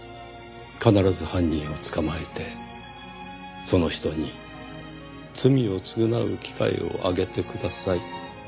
必ず犯人を捕まえてその人に罪を償う機会をあげてください」